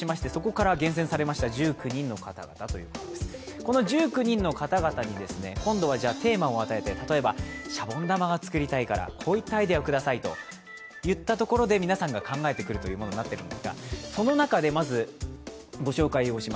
この１９人の方々に今度はテーマを与えて例えばシャボン玉が作りたいからこういったアイデアをくださいといったところで、皆さんが考えてくるというものになっています。